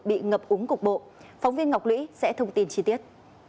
bị ngập úng cục bộ phóng viên ngọc lũy sẽ thông tin chi tiết